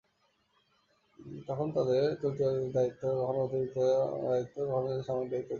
তাঁদের কখনো চলতি দায়িত্ব, কখনো অতিরিক্ত দায়িত্ব, কখনো সাময়িক দায়িত্ব দেওয়া হচ্ছে।